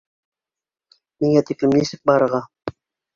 Миңә... тиклем нисек барырға?